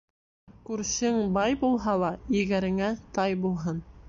Күршең бай булһа ла, егәреңә тай булһын.